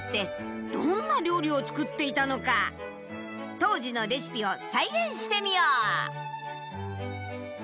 当時のレシピを再現してみよう！